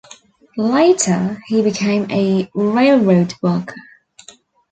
Later, he became a railroad worker.